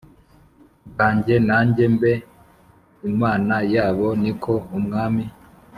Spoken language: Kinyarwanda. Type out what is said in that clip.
Bwanjye nanjye mbe imana yabo ni ko umwami